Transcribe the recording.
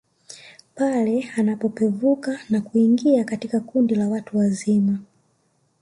Pale anapopevuka na kuingia katika kundi la watu wazima